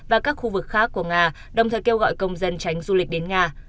và các khu vực khác của nga đồng thời kêu gọi công dân tránh du lịch đến nga